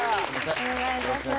お願いします